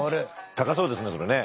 高そうですねそれね。